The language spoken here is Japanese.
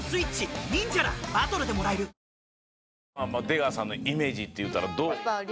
出川さんのイメージっていうたらどう？